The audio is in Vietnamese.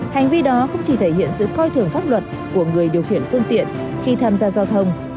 hành vi đó không chỉ thể hiện sự coi thường pháp luật của người điều khiển phương tiện khi tham gia giao thông